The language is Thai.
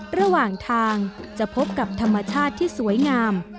ระหว่างทางจะพบกับธรรมชาติที่สวยงาม